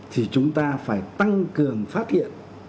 thì chúng ta phải tăng cường phát hiện